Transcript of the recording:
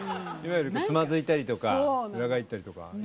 いわゆるつまづいたりとか裏返ったりとか？